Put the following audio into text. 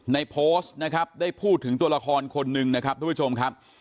โพสต์นะครับได้พูดถึงตัวละครคนหนึ่งนะครับทุกผู้ชมครับ